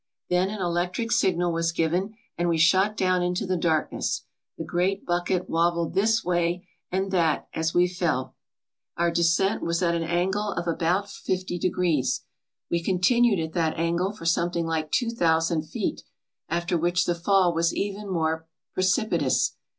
Then an electric signal was given and we shot down into the darkness. The great bucket wobbled this way and that as we fell. Our 83 ALASKA OUR NORTHERN WONDERLAND descent was at an angle of about fifty degrees. We con tinued at that angle for something like two thousand feet, after which the fall was even more precipitous.